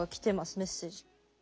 メッセージ。